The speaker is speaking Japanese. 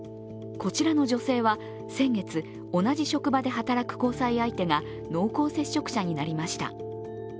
こちらの女性は先月、同じ職場で働く交際相手が濃厚接触者になりました。